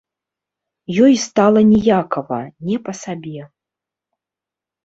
Ёй стала ніякава, не па сабе.